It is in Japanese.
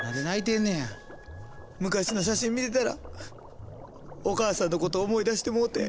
昔の写真見てたらお母さんのこと思い出してもうて。